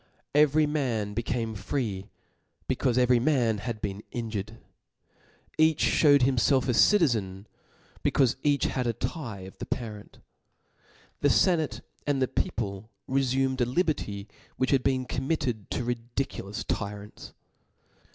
Every mar» became free, becaufe every man had bf^cn injured j each ihewed himfelf a citizen, becaufe each had the tye of a parent. The fenatc and the people refumed a liberty which had been committed to ri* diculous tyrants.